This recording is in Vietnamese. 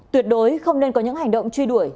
tuyệt đối không nên có những hành động truy đuổi